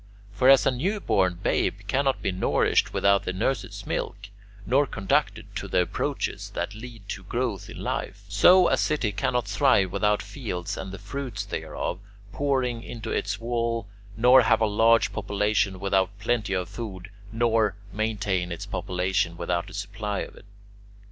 For as a newborn babe cannot be nourished without the nurse's milk, nor conducted to the approaches that lead to growth in life, so a city cannot thrive without fields and the fruits thereof pouring into its walls, nor have a large population without plenty of food, nor maintain its population without a supply of it.